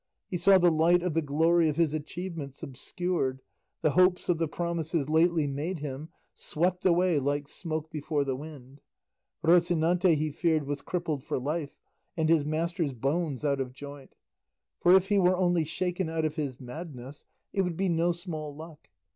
He saw the light of the glory of his achievements obscured; the hopes of the promises lately made him swept away like smoke before the wind; Rocinante, he feared, was crippled for life, and his master's bones out of joint; for if he were only shaken out of his madness it would be no small luck.